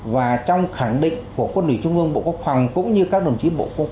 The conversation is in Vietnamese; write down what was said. và trong khẳng định của quân lũy trung ương bộ quốc hoàng cũng như các đồng chí bộ quốc công an